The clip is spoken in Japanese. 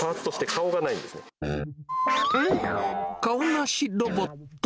顔なしロボット？